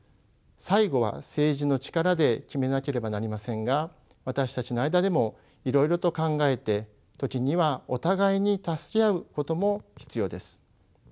最後は政治の力で決めなければなりませんが私たちの間でもいろいろと考えて時にはお互いに助け合うことも必要です。